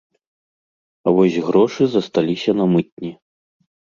А вось грошы засталіся на мытні.